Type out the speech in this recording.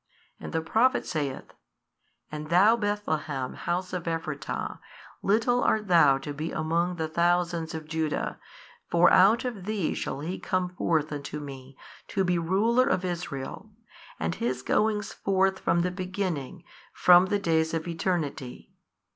And the Prophet saith, And thou Bethlehem house of Ephrata, little art thou to be among the thousands of Judah, for out of thee shall He come forth unto Me to be Ruler of Israel, and His Goings forth from the beginning, from the days of eternity.